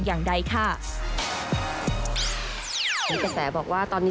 คงไม่ได้ระบุว่าเป็นอะไร